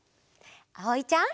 あおいちゃん。